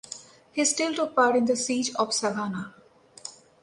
He still took part in the Siege of Savannah.